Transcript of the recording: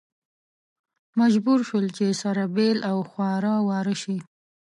مجبور شول چې سره بېل او خواره واره شي.